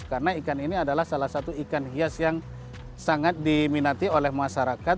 karena ikan ini adalah salah satu ikan hias yang sangat diminati oleh masyarakat